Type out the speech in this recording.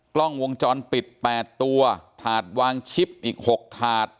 กล้องวงจรปิด๘ตัวถาดวางชิปอีก๖ถาด